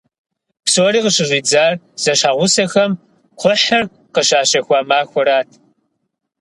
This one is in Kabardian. Псори къыщыщӏидзар зэщхьэгъусэхэм кхъухьыр къыщащэхуа махуэрат.